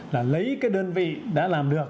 là lấy cái đơn vị đã làm được